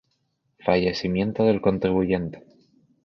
Fallecimiento del contribuyente